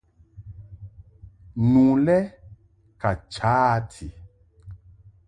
Nu lɛ ka cha a ti.